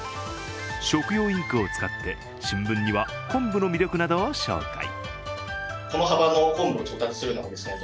食用インクを使って、新聞には昆布の魅力などを紹介。